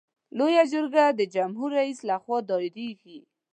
لویه جرګه د جمهور رئیس له خوا دایریږي.